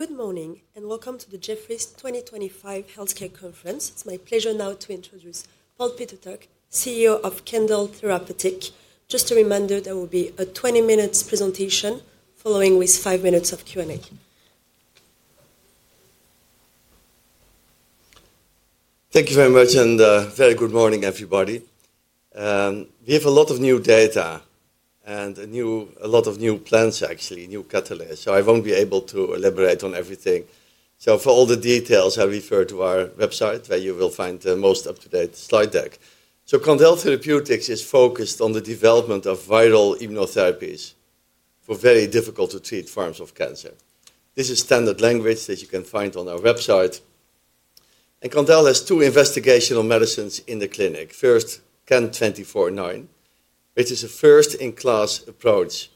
Good morning and welcome to the Jefferies 2025 Healthcare Conference. It's my pleasure now to introduce Paul Peter Tak, CEO of Candel Therapeutics. Just a reminder, there will be a 20-minute presentation following with 5 minutes of Q&A. Thank you very much and very good morning, everybody. We have a lot of new data and a lot of new plans, actually, new catalysts, so I won't be able to elaborate on everything. For all the details, I refer to our website where you will find the most up-to-date slide deck. Candel Therapeutics is focused on the development of viral immunotherapies for very difficult-to-treat forms of cancer. This is standard language that you can find on our website. Candel has two investigational medicines in the clinic. First, CAN-2409, which is a first-in-class approach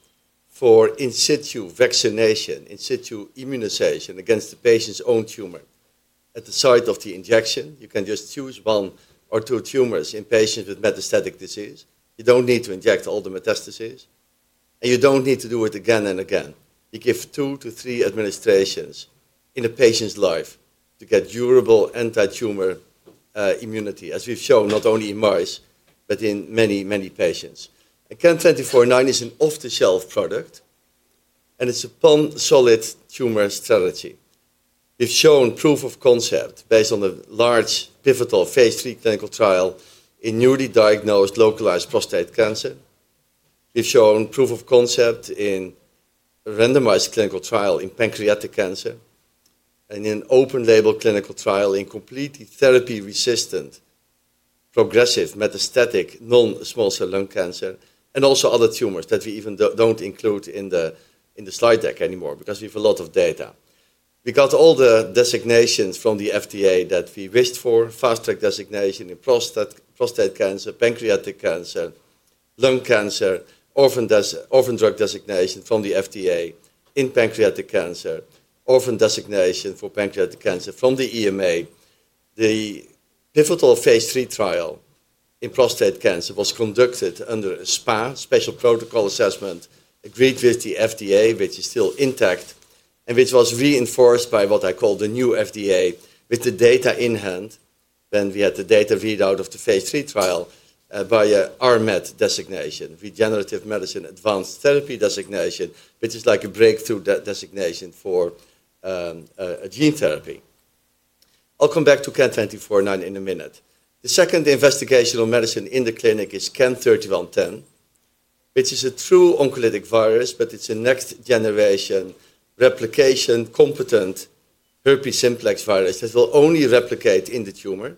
for in situ vaccination, in situ immunization against the patient's own tumor. At the site of the injection, you can just choose one or two tumors in patients with metastatic disease. You don't need to inject all the metastases, and you don't need to do it again and again. You give two to three administrations in a patient's life to get durable anti-tumor immunity, as we've shown not only in mice but in many, many patients. And CAN-2409 is an off-the-shelf product, and it's a pan-solid tumor strategy. We've shown proof of concept based on a large pivotal phase III clinical trial in newly diagnosed localized prostate cancer. We've shown proof of concept in a randomized clinical trial in pancreatic cancer and in an open-label clinical trial in completely therapy-resistant progressive metastatic non-small cell lung cancer, and also other tumors that we even don't include in the slide deck anymore because we have a lot of data. We got all the designations from the FDA that we wished for: fast-track designation in prostate cancer, pancreatic cancer, lung cancer, orphan drug designation from the FDA in pancreatic cancer, orphan designation for pancreatic cancer from the EMA. The pivotal phase III trial in prostate cancer was conducted under a SPA, special protocol assessment, agreed with the FDA, which is still intact, and which was reinforced by what I call the new FDA with the data in hand when we had the data readout of the phase III trial by an RMAT designation, Regenerative Medicine Advanced Therapy designation, which is like a breakthrough designation for gene therapy. I'll come back to CAN-2409 in a minute. The second investigational medicine in the clinic is CAN-3110, which is a true oncolytic virus, but it's a next-generation replication-competent herpes simplex virus that will only replicate in the tumor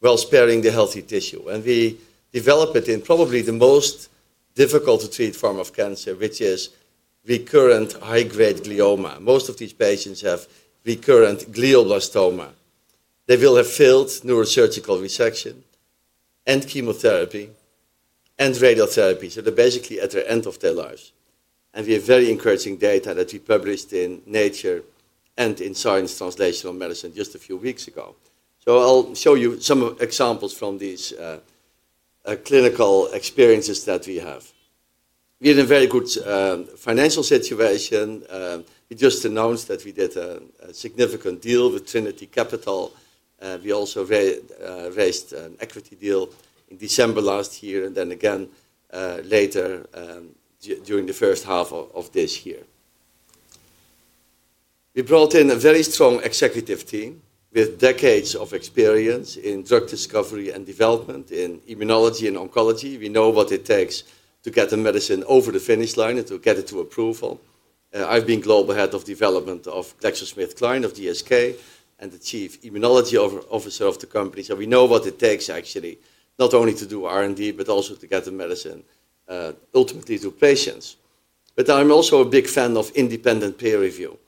while sparing the healthy tissue. We develop it in probably the most difficult-to-treat form of cancer, which is recurrent high-grade glioma. Most of these patients have recurrent glioblastoma. They will have failed neurosurgical resection and chemotherapy and radiotherapy, so they're basically at the end of their lives. We have very encouraging data that we published in Nature and in Science Translational Medicine just a few weeks ago. I'll show you some examples from these clinical experiences that we have. We're in a very good financial situation. We just announced that we did a significant deal with Trinity Capital. We also raised an equity deal in December last year and then again later during the first half of this year. We brought in a very strong executive team with decades of experience in drug discovery and development in immunology and oncology. We know what it takes to get a medicine over the finish line and to get it to approval. I've been global head of development of GlaxoSmithKline, of GSK, and the Chief Immunology Officer of the company. We know what it takes, actually, not only to do R&D but also to get the medicine ultimately to patients. I'm also a big fan of independent peer review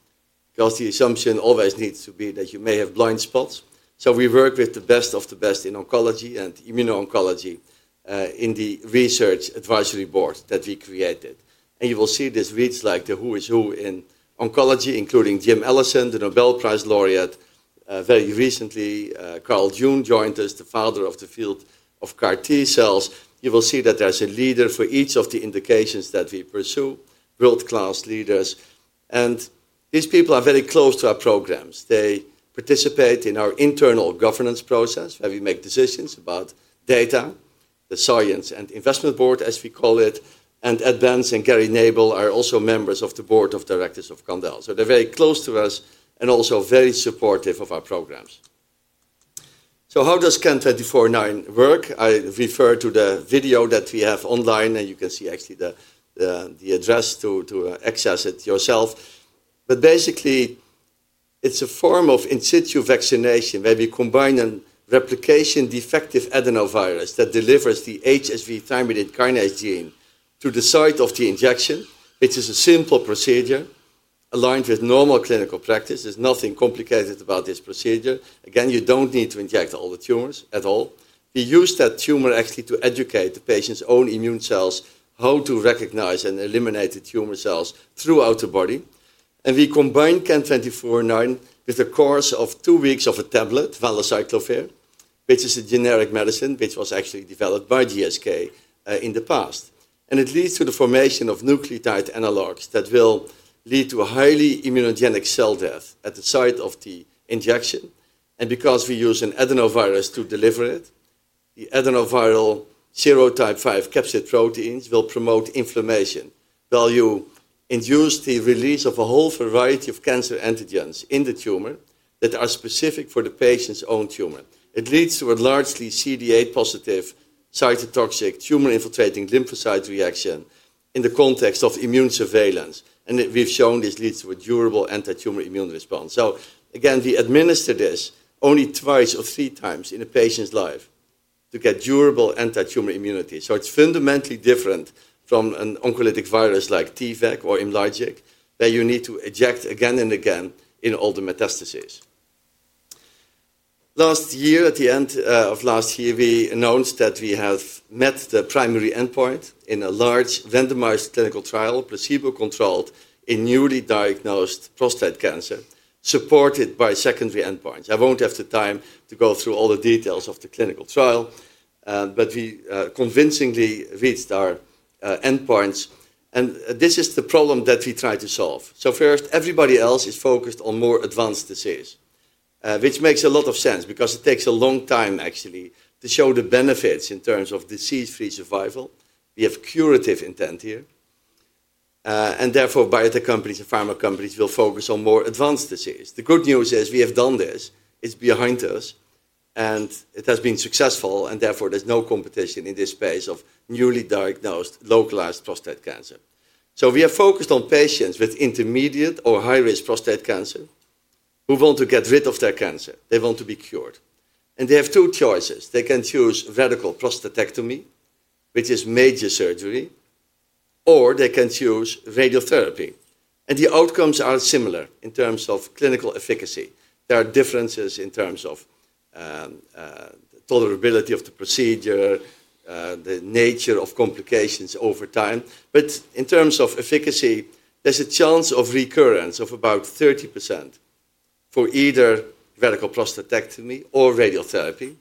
because the assumption always needs to be that you may have blind spots. We work with the best of the best in oncology and immuno-oncology in the research advisory board that we created. You will see this reads like the who is who in oncology, including Jim Allison, the Nobel Prize laureate. Very recently, Carl June joined us, the father of the field of CAR-T cells. You will see that there's a leader for each of the indications that we pursue, world-class leaders. These people are very close to our programs. They participate in our internal governance process where we make decisions about data, the Science and Investment Board, as we call it, and Advance and Gary Nabel are also members of the board of directors of Candel. They are very close to us and also very supportive of our programs. How does CAN-2409 work? I refer to the video that we have online, and you can see actually the address to access it yourself. Basically, it is a form of in situ vaccination where we combine a replication-defective adenovirus that delivers the HSV-thymidine kinase gene to the site of the injection, which is a simple procedure aligned with normal clinical practice. There is nothing complicated about this procedure. Again, you do not need to inject all the tumors at all. We use that tumor actually to educate the patient's own immune cells how to recognize and eliminate the tumor cells throughout the body. We combine CAN-2409 with a course of two weeks of a tablet, valacyclovir, which is a generic medicine which was actually developed by GSK in the past. It leads to the formation of nucleotide analogs that will lead to highly immunogenic cell death at the site of the injection. Because we use an adenovirus to deliver it, the adenoviral serotype 5 capsid proteins will promote inflammation, value induce the release of a whole variety of cancer antigens in the tumor that are specific for the patient's own tumor. It leads to a largely CD8-positive cytotoxic tumor-infiltrating lymphocyte reaction in the context of immune surveillance. We have shown this leads to a durable anti-tumor immune response. Again, we administer this only twice or three times in a patient's life to get durable anti-tumor immunity. It is fundamentally different from an oncolytic virus like Imlygic, where you need to inject again and again in all the metastases. At the end of last year, we announced that we have met the primary endpoint in a large randomized clinical trial, placebo-controlled in newly diagnosed prostate cancer, supported by secondary endpoints. I will not have the time to go through all the details of the clinical trial, but we convincingly reached our endpoints. This is the problem that we try to solve. First, everybody else is focused on more advanced disease, which makes a lot of sense because it takes a long time actually to show the benefits in terms of disease-free survival. We have curative intent here, and therefore biotech companies and pharma companies will focus on more advanced disease. The good news is we have done this. It's behind us, and it has been successful, and therefore there's no competition in this space of newly diagnosed localized prostate cancer. We have focused on patients with intermediate or high-risk prostate cancer who want to get rid of their cancer. They want to be cured. They have two choices. They can choose radical prostatectomy, which is major surgery, or they can choose radiotherapy. The outcomes are similar in terms of clinical efficacy. There are differences in terms of tolerability of the procedure, the nature of complications over time. In terms of efficacy, there's a chance of recurrence of about 30% for either radical prostatectomy or radiotherapy,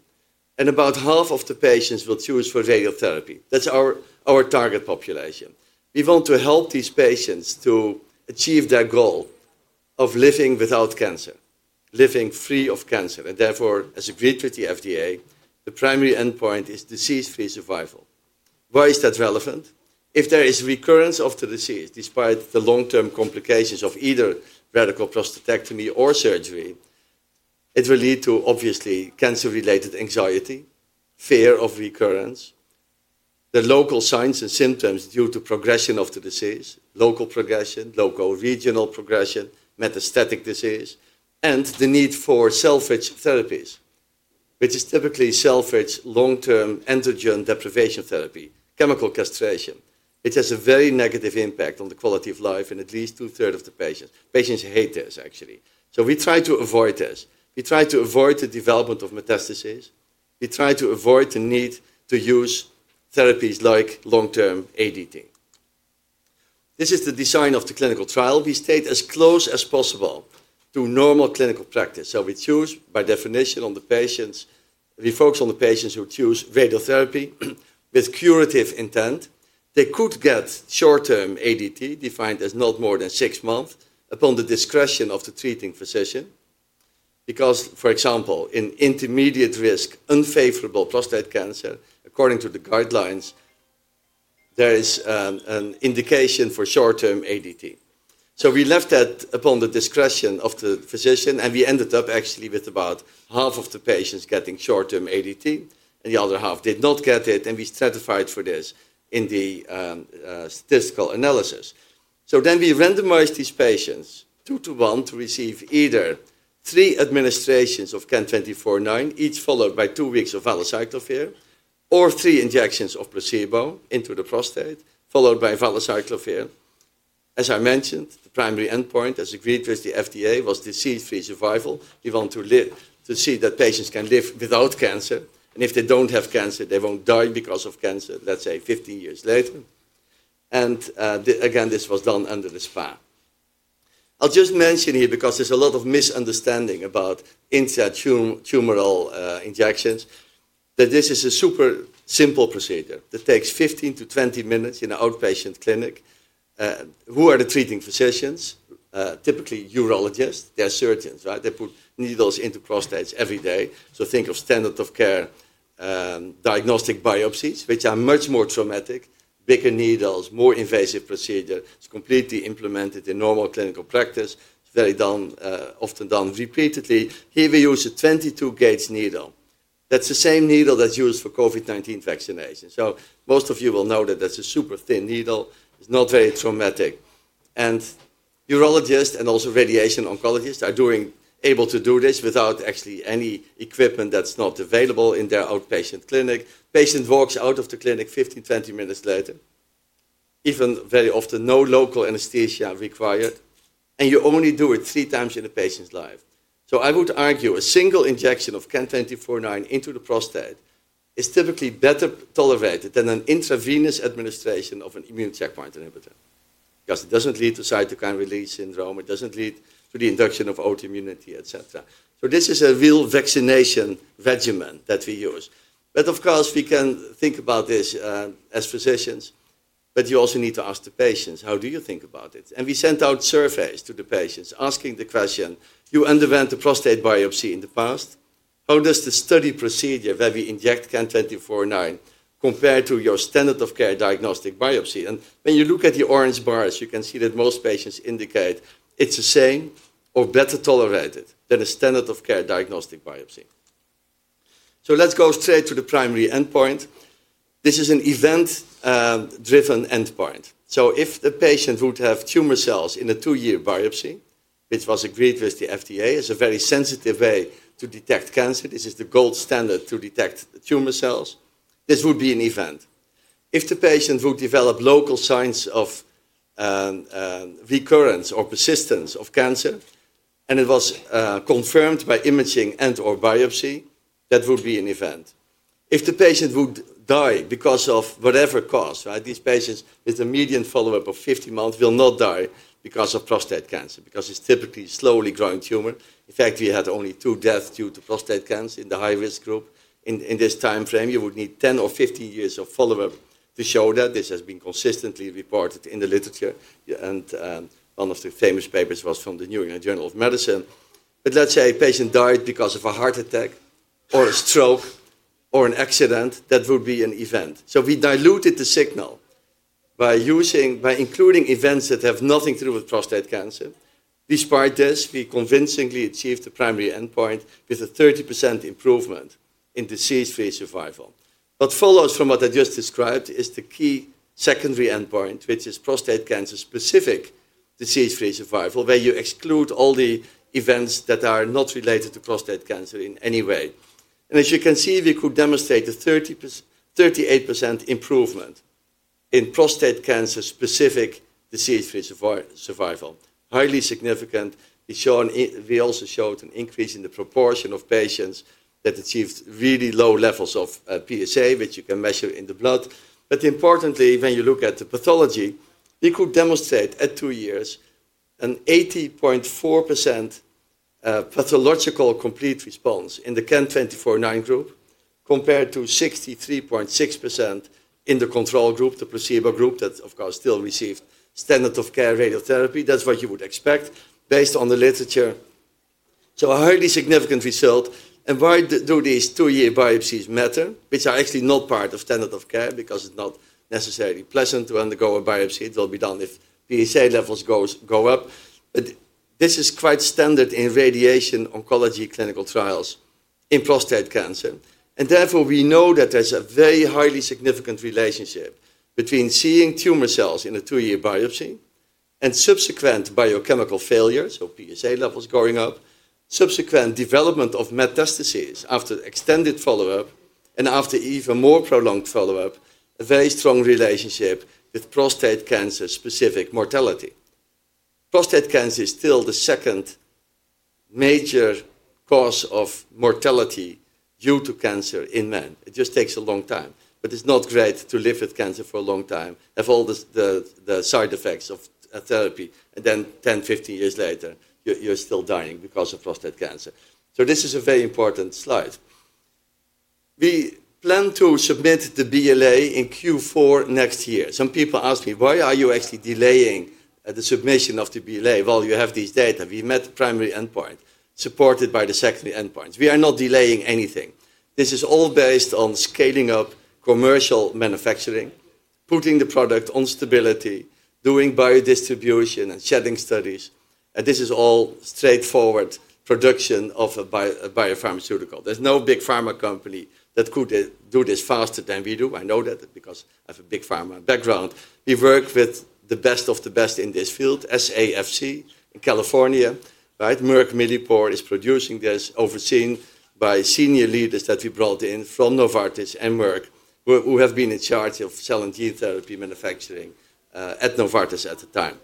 and about half of the patients will choose for radiotherapy. That's our target population. We want to help these patients to achieve their goal of living without cancer, living free of cancer. Therefore, as agreed with the FDA, the primary endpoint is disease-free survival. Why is that relevant? If there is recurrence of the disease despite the long-term complications of either radical prostatectomy or surgery, it will lead to obviously cancer-related anxiety, fear of recurrence, the local signs and symptoms due to progression of the disease, local progression, local regional progression, metastatic disease, and the need for salvage therapies, which is typically salvage long-term androgen deprivation therapy, chemical castration, which has a very negative impact on the quality of life in at least two-thirds of the patients. Patients hate this, actually. We try to avoid this. We try to avoid the development of metastasis. We try to avoid the need to use therapies like long-term ADT. This is the design of the clinical trial. We stayed as close as possible to normal clinical practice. We choose by definition on the patients. We focus on the patients who choose radiotherapy with curative intent. They could get short-term ADT defined as not more than six months upon the discretion of the treating physician because, for example, in intermediate-risk unfavorable prostate cancer, according to the guidelines, there is an indication for short-term ADT. We left that upon the discretion of the physician, and we ended up actually with about half of the patients getting short-term ADT, and the other half did not get it, and we stratified for this in the statistical analysis. We randomized these patients two-to-one to receive either three administrations of CAN-2409, each followed by two weeks of valacyclovir, or three injections of placebo into the prostate, followed by valacyclovir. As I mentioned, the primary endpoint, as agreed with the FDA, was disease-free survival. We want to see that patients can live without cancer, and if they do not have cancer, they will not die because of cancer, let's say 15 years later. This was done under the SPA. I will just mention here because there is a lot of misunderstanding about intratumoral injections that this is a super simple procedure that takes 15-20 minutes in an outpatient clinic. Who are the treating physicians? Typically, urologists. They are surgeons, right? They put needles into prostates every day. Think of standard of care diagnostic biopsies, which are much more traumatic, bigger needles, more invasive procedure. It is completely implemented in normal clinical practice. It is very often done repeatedly. Here we use a 22-gauge needle. That is the same needle that is used for COVID-19 vaccination. Most of you will know that that's a super thin needle. It's not very traumatic. Urologists and also radiation oncologists are able to do this without actually any equipment that's not available in their outpatient clinic. Patient walks out of the clinic 15, 20 minutes later, even very often no local anesthesia required, and you only do it three times in a patient's life. I would argue a single injection of CAN-2409 into the prostate is typically better tolerated than an intravenous administration of an immune checkpoint inhibitor because it doesn't lead to cytokine release syndrome. It doesn't lead to the induction of autoimmunity, et cetera. This is a real vaccination regimen that we use. Of course, we can think about this as physicians, but you also need to ask the patients, how do you think about it? We sent out surveys to the patients asking the question, you underwent a prostate biopsy in the past. How does the study procedure where we inject CAN-2409 compare to your standard of care diagnostic biopsy? When you look at the orange bars, you can see that most patients indicate it's the same or better tolerated than a standard of care diagnostic biopsy. Let's go straight to the primary endpoint. This is an event-driven endpoint. If the patient would have tumor cells in a two-year biopsy, which was agreed with the FDA as a very sensitive way to detect cancer, this is the gold standard to detect tumor cells, this would be an event. If the patient would develop local signs of recurrence or persistence of cancer and it was confirmed by imaging and/or biopsy, that would be an event. If the patient would die because of whatever cause, right? These patients with a median follow-up of 15 months will not die because of prostate cancer because it's typically a slowly growing tumor. In fact, we had only two deaths due to prostate cancer in the high-risk group. In this time frame, you would need 10 or 15 years of follow-up to show that. This has been consistently reported in the literature, and one of the famous papers was from the New England Journal of Medicine. Let's say a patient died because of a heart attack or a stroke or an accident, that would be an event. We diluted the signal by including events that have nothing to do with prostate cancer. Despite this, we convincingly achieved the primary endpoint with a 30% improvement in disease-free survival. What follows from what I just described is the key secondary endpoint, which is prostate cancer-specific disease-free survival, where you exclude all the events that are not related to prostate cancer in any way. As you can see, we could demonstrate a 38% improvement in prostate cancer-specific disease-free survival, highly significant. We also showed an increase in the proportion of patients that achieved really low levels of PSA, which you can measure in the blood. Importantly, when you look at the pathology, we could demonstrate at two years an 80.4% pathological complete response in the CAN-2409 group compared to 63.6% in the control group, the placebo group that, of course, still received standard of care radiotherapy. That is what you would expect based on the literature. A highly significant result. Why do these two-year biopsies matter, which are actually not part of standard of care because it's not necessarily pleasant to undergo a biopsy? It will be done if PSA levels go up. This is quite standard in radiation oncology clinical trials in prostate cancer. Therefore, we know that there's a very highly significant relationship between seeing tumor cells in a two-year biopsy and subsequent biochemical failure, so PSA levels going up, subsequent development of metastases after extended follow-up, and after even more prolonged follow-up, a very strong relationship with prostate cancer-specific mortality. Prostate cancer is still the second major cause of mortality due to cancer in men. It just takes a long time, but it's not great to live with cancer for a long time, have all the side effects of therapy, and then 10, 15 years later, you're still dying because of prostate cancer. This is a very important slide. We plan to submit the BLA in Q4 next year. Some people ask me, why are you actually delaying the submission of the BLA? You have these data. We met the primary endpoint supported by the secondary endpoints. We are not delaying anything. This is all based on scaling up commercial manufacturing, putting the product on stability, doing biodistribution and shedding studies. This is all straightforward production of a biopharmaceutical. There is no big pharma company that could do this faster than we do. I know that because I have a big pharma background. We work with the best of the best in this field, SAFC in California, right? Merck, Millipore is producing this, overseen by senior leaders that we brought in from Novartis and Merck, who have been in charge of cell and gene therapy manufacturing at Novartis at the time.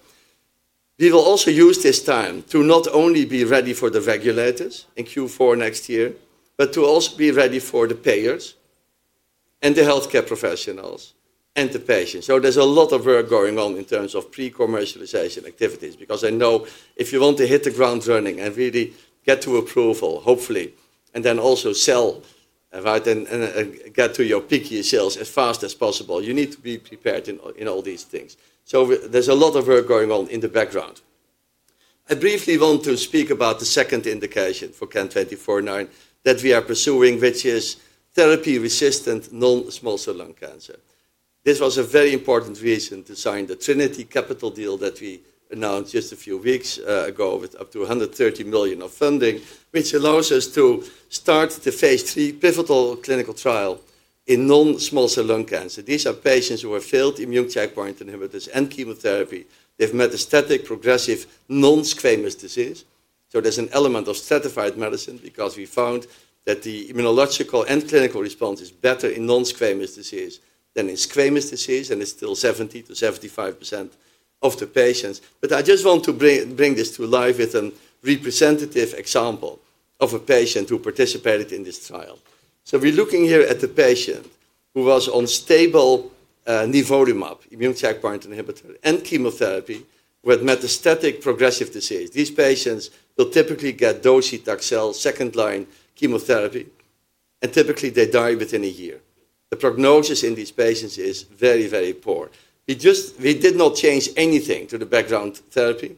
We will also use this time to not only be ready for the regulators in Q4 next year, but to also be ready for the payers and the healthcare professionals and the patients. There is a lot of work going on in terms of pre-commercialization activities because I know if you want to hit the ground running and really get to approval, hopefully, and then also sell, right, and get to your peak year sales as fast as possible, you need to be prepared in all these things. There is a lot of work going on in the background. I briefly want to speak about the second indication for CAN-2409 that we are pursuing, which is therapy-resistant non-small cell lung cancer. This was a very important reason to sign the Trinity Capital deal that we announced just a few weeks ago with up to $130 million of funding, which allows us to start the phase three pivotal clinical trial in non-small cell lung cancer. These are patients who have failed immune checkpoint inhibitors and chemotherapy. They have metastatic progressive non-squamous disease. There is an element of stratified medicine because we found that the immunological and clinical response is better in non-squamous disease than in squamous disease, and it's still 70-75% of the patients. I just want to bring this to life with a representative example of a patient who participated in this trial. We're looking here at the patient who was on stable nivolumab, immune checkpoint inhibitor, and chemotherapy with metastatic progressive disease. These patients will typically get dose ETAC cell second-line chemotherapy, and typically they die within a year. The prognosis in these patients is very, very poor. We did not change anything to the background therapy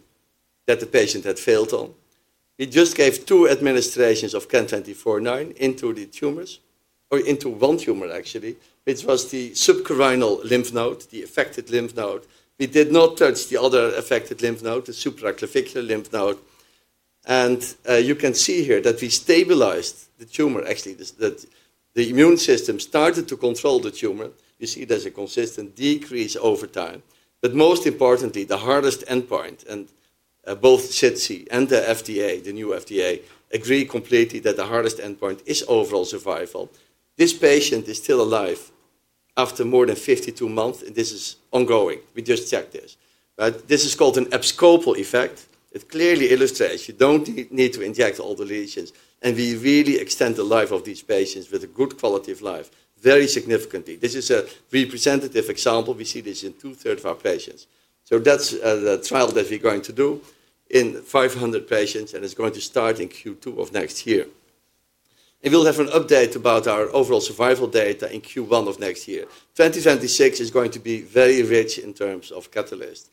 that the patient had failed on. We just gave two administrations of CAN-2409 into the tumors or into one tumor, actually, which was the subcarinal lymph node, the affected lymph node. We did not touch the other affected lymph node, the supraclavicular lymph node. You can see here that we stabilized the tumor. Actually, the immune system started to control the tumor. You see there is a consistent decrease over time. Most importantly, the hardest endpoint, and both CITC and the FDA, the new FDA, agree completely that the hardest endpoint is overall survival. This patient is still alive after more than 52 months, and this is ongoing. We just checked this. This is called an abscopal effect. It clearly illustrates you do not need to inject all the lesions, and we really extend the life of these patients with a good quality of life very significantly. This is a representative example. We see this in two-thirds of our patients. That is the trial that we are going to do in 500 patients, and it is going to start in Q2 of next year. We will have an update about our overall survival data in Q1 of next year. 2026 is going to be very rich in terms of catalyst.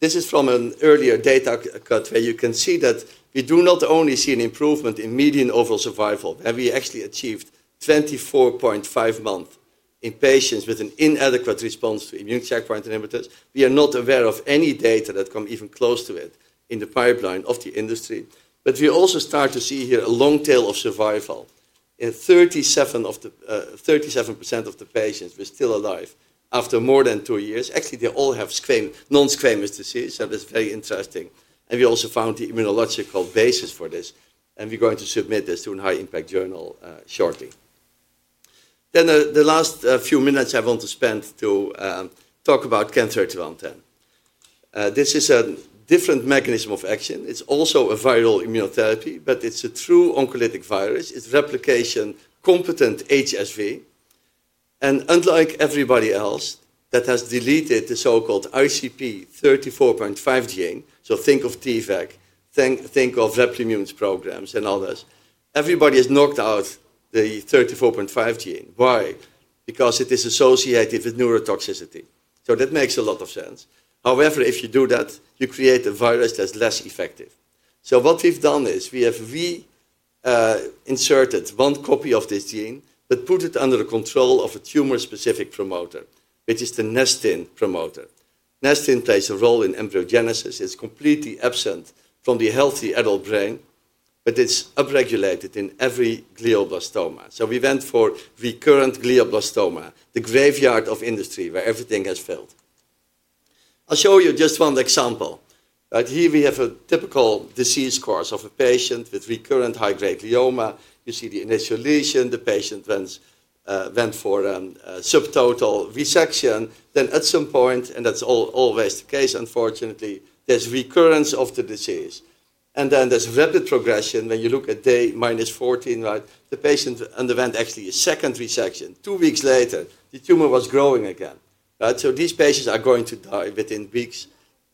This is from an earlier data cut where you can see that we do not only see an improvement in median overall survival, where we actually achieved 24.5 months in patients with an inadequate response to immune checkpoint inhibitors. We are not aware of any data that come even close to it in the pipeline of the industry. We also start to see here a long tail of survival. In 37% of the patients, we're still alive after more than two years. Actually, they all have non-squamous disease, so that's very interesting. We also found the immunological basis for this, and we're going to submit this to a high-impact journal shortly. The last few minutes I want to spend to talk about CAN-3110. This is a different mechanism of action. It's also a viral immunotherapy, but it's a true oncolytic virus. It's replication competent HSV. Unlike everybody else that has deleted the so-called ICP34.5 gene, so think of Imlygic, think of Replimune programs and others, everybody has knocked out the 34.5 gene. Why? Because it is associated with neurotoxicity. That makes a lot of sense. However, if you do that, you create a virus that's less effective. What we've done is we have inserted one copy of this gene but put it under the control of a tumor-specific promoter, which is the Nestin promoter. Nestin plays a role in embryogenesis. It's completely absent from the healthy adult brain, but it's upregulated in every glioblastoma. We went for recurrent glioblastoma, the graveyard of industry where everything has failed. I'll show you just one example. Here we have a typical disease course of a patient with recurrent high-grade glioma. You see the initial lesion. The patient went for a subtotal resection. At some point, and that's always the case, unfortunately, there's recurrence of the disease. There is rapid progression. When you look at day minus 14, the patient underwent actually a second resection. Two weeks later, the tumor was growing again. These patients are going to die within weeks,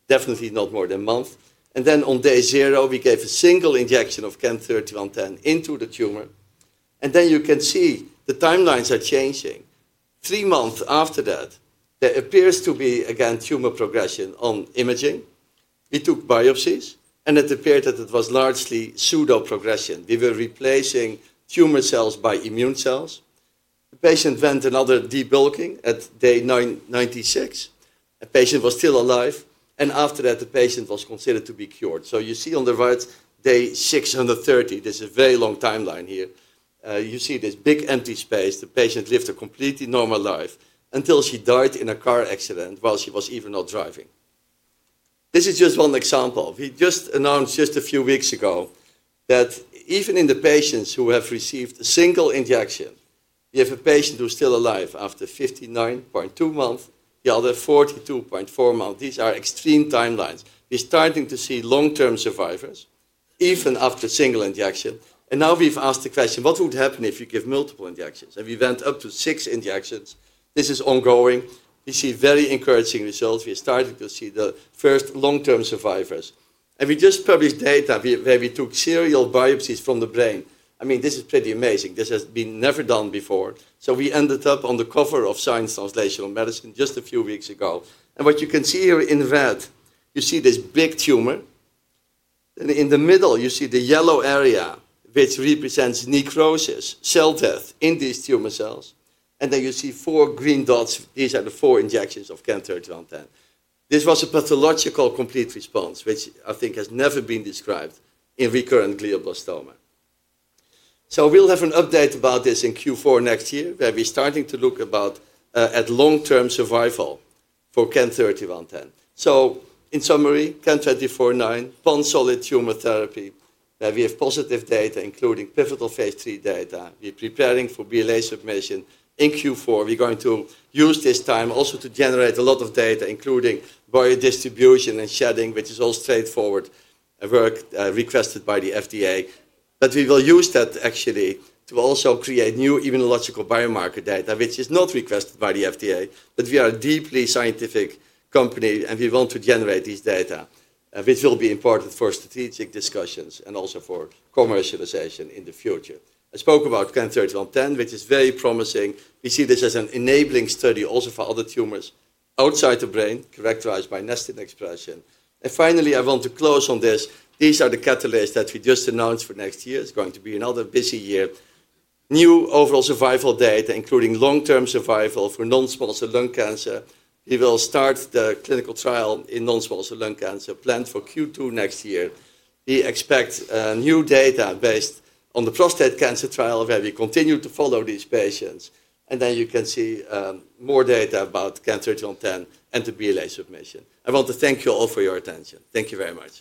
definitely not more than a month. On day zero, we gave a single injection of CAN-3110 into the tumor. You can see the timelines are changing. Three months after that, there appears to be, again, tumor progression on imaging. We took biopsies, and it appeared that it was largely pseudo-progression. We were replacing tumor cells by immune cells. The patient went for another debulking at day 96. The patient was still alive. After that, the patient was considered to be cured. You see on the right, day 630, there is a very long timeline here. You see this big empty space. The patient lived a completely normal life until she died in a car accident while she was even not driving. This is just one example. We just announced just a few weeks ago that even in the patients who have received a single injection, we have a patient who's still alive after 59.2 months, the other 42.4 months. These are extreme timelines. We're starting to see long-term survivors even after a single injection. Now we've asked the question, what would happen if you give multiple injections? We went up to six injections. This is ongoing. We see very encouraging results. We're starting to see the first long-term survivors. We just published data where we took serial biopsies from the brain. I mean, this is pretty amazing. This has been never done before. We ended up on the cover of Science Translational Medicine just a few weeks ago. What you can see here in red, you see this big tumor. In the middle, you see the yellow area, which represents necrosis, cell death in these tumor cells. You see four green dots. These are the four injections of CAN-3110. This was a pathological complete response, which I think has never been described in recurrent glioblastoma. We'll have an update about this in Q4 next year, where we're starting to look at long-term survival for CAN-3110. In summary, CAN-2409, one solid tumor therapy where we have positive data, including pivotal phase 3 data. We're preparing for BLA submission in Q4. We're going to use this time also to generate a lot of data, including biodistribution and shedding, which is all straightforward work requested by the FDA. We will use that actually to also create new immunological biomarker data, which is not requested by the FDA. We are a deeply scientific company, and we want to generate these data, which will be important for strategic discussions and also for commercialization in the future. I spoke about CAN-3110, which is very promising. We see this as an enabling study also for other tumors outside the brain characterized by Nestin expression. Finally, I want to close on this. These are the catalysts that we just announced for next year. It's going to be another busy year. New overall survival data, including long-term survival for non-small cell lung cancer. We will start the clinical trial in non-small cell lung cancer planned for Q2 next year. We expect new data based on the prostate cancer trial where we continue to follow these patients. You can see more data about CAN-3110 and the BLA submission. I want to thank you all for your attention. Thank you very much.